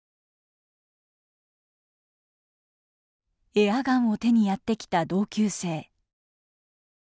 エアガンを手にやって来た同級生。